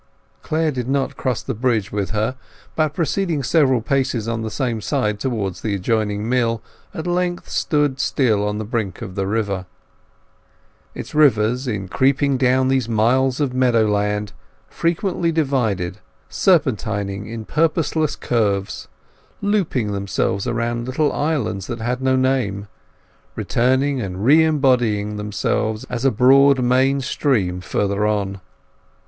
Clare did not cross the bridge with her, but proceeding several paces on the same side towards the adjoining mill, at length stood still on the brink of the river. Its waters, in creeping down these miles of meadowland, frequently divided, serpentining in purposeless curves, looping themselves around little islands that had no name, returning and re embodying themselves as a broad main stream further on.